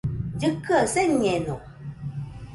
Llɨkɨaɨ señeno